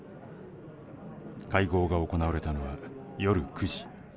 会合が行われたのは夜９時。